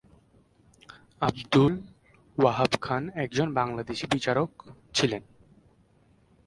আব্দুল ওহাব খান একজন বাংলাদেশী বিচারক ছিলেন।